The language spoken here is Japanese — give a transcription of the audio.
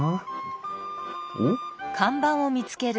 おっ？